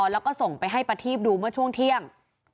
แล้วก็ส่งไปให้ประทีพดูเมื่อช่วงเที่ยง